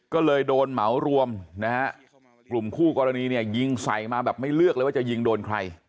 ก็เลยโดนเหมารวมนะฮะกลุ่มคู่กรณีเนี่ยยิงใส่มาแบบไม่เลือกเลยว่าจะยิงโดนใคร